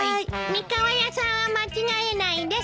三河屋さんは間違えないです。